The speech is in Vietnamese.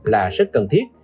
là rất cần thiết